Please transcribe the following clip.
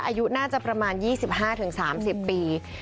อายุน่าจะประมาณยี่สิบห้าถึงสามสิบปี